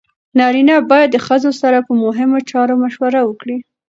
نارینه باید د ښځې سره په مهمو چارو مشوره وکړي.